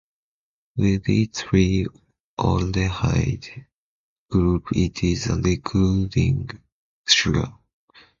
With its free aldehyde group, it is a reducing sugar.